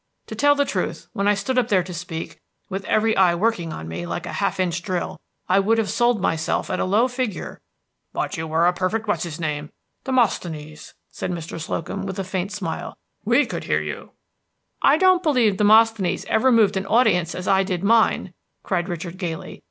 To tell the truth, when I stood up there to speak, with every eye working on me, like a half inch drill, I would have sold myself at a low figure." "But you were a perfect what's his name, Demosthenes," said Mr. Slocum, with a faint smile. "We could hear you." "I don't believe Demosthenes ever moved an audience as I did mine!" cried Richard gaily.